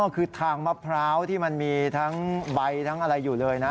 คือทางมะพร้าวที่มันมีทั้งใบทั้งอะไรอยู่เลยนะ